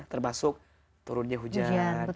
termasuk turunnya hujan